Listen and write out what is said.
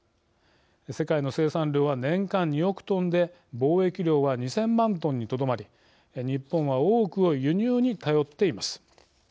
世界の生産量は年間２億トンで貿易量は２０００万トンにとどまり日本は多くを輸入に頼っています。